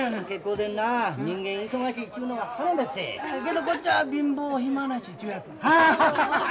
けどこっちは貧乏暇なしちゅうやつ。